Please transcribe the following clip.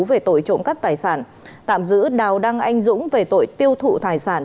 về tội trộm cắp tài sản tạm giữ đào đăng anh dũng về tội tiêu thụ tài sản